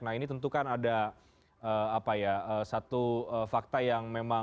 nah ini tentu kan ada satu fakta yang memang